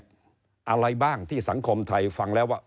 อะไรบ้างที่สังคมไทยฟังแล้วว่า